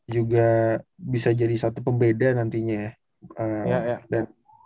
juga bisa jadi satu pembeda nantinya ya